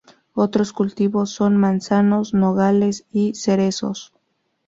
Otros cultivos son manzanos, nogales y cerezos.